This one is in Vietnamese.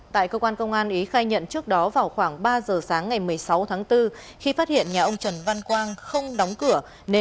tại cơ quan công an ý khai nhận trước đó vào khoảng ba giờ sáng ngày một mươi sáu tháng bốn khi phát hiện nhà ông trần văn quang không đóng cửa